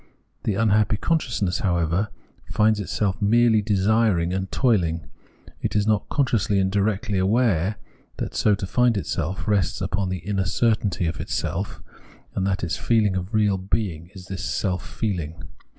The unhappy con sciousness, however, finds itself merely desiring and toil ing ; it is not consciously and directly aware that so to find itself rests upon the inner certainty of its self, and that its feehng of real being is this self feehng.